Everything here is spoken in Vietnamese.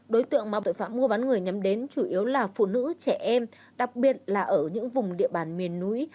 đối tượng mà tội phạm mua bán người nhắm đến chủ yếu là phụ nữ trẻ em đặc biệt là ở những vùng địa bàn miền núi